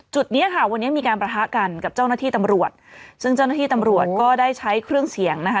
เนี้ยค่ะวันนี้มีการประทะกันกับเจ้าหน้าที่ตำรวจซึ่งเจ้าหน้าที่ตำรวจก็ได้ใช้เครื่องเสียงนะคะ